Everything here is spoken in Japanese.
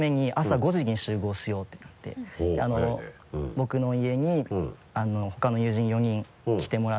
僕の家にほかの友人４人来てもらって。